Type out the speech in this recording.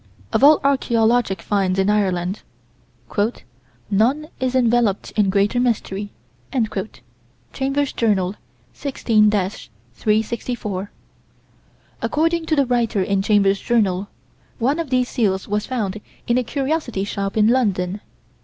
Of all archaeologic finds in Ireland, "none is enveloped in greater mystery." (Chambers' Journal, 16 364.) According to the writer in Chambers' Journal, one of these seals was found in a curiosity shop in London.